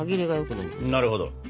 なるほど。